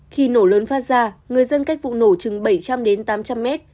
khi nổ lớn phát ra người dân cách vụ nổ chừng bảy trăm linh đến tám trăm linh mét